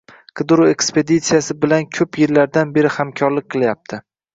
qidiruv ekspeditsiyasi bilan ko‘p yillardan beri hamkorlik qilyapti.